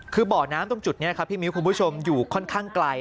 คือบ่อน้ำตรงจุดนี้ครับพี่มิ้วคุณผู้ชมอยู่ค่อนข้างไกล